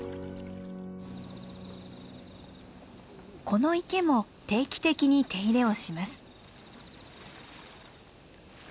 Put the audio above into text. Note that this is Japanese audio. この池も定期的に手入れをします。